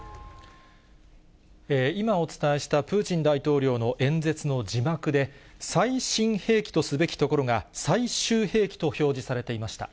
今、お伝えしたプーチン大統領の演説の字幕で、最新兵器とすべきところが、最終兵器と表示されていました。